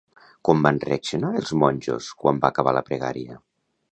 Com van reaccionar els monjos quan va acabar la pregària?